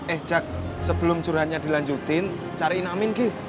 eh jack sebelum curahnya dilanjutin cariin amin gi